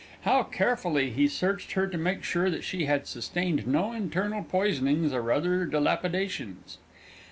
How carefully he searched her to make sure that she had sustained no internal poisonings or other dilapidations!